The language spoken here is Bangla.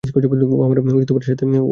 ও আমার স্বামীর সাথে ফষ্টিনষ্টি করেছে।